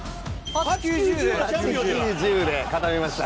８９１０で固めました。